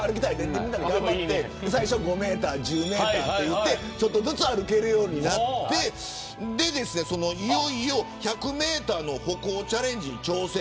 最初５メートル１０メートルといって少しずつ歩けるようになっていよいよ１００メートルの歩行チャレンジに挑戦。